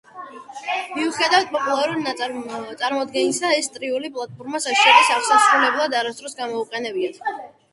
მიუხედავად პოპულარული წარმოდგენისა, ეს წრიული პლატფორმა სასჯელის აღსასრულებლად არასდროს გამოუყენებიათ.